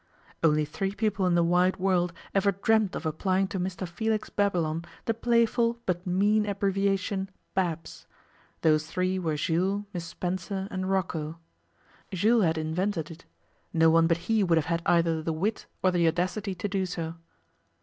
Only three people in the wide world ever dreamt of applying to Mr Felix Babylon the playful but mean abbreviation Babs: those three were Jules, Miss Spencer, and Rocco. Jules had invented it. No one but he would have had either the wit or the audacity to do so.